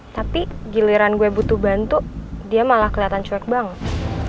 tapi giliran gue butuh bantu dia malah kelihatan cuek banget